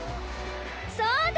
そうだ！